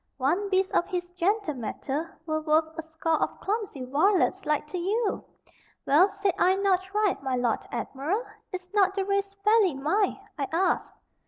One beast of his gentle mettle were worth a score of clumsy varlets like to you! Well, said I not right, my Lord Admiral; is not the race fairly mine, I ask?"